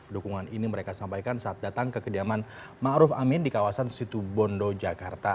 dukungan ini mereka sampaikan saat datang ke kediaman ma'ruf amin di kawasan situ bondo jakarta